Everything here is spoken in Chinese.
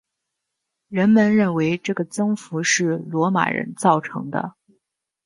人们认为这个增幅是罗马人造成的。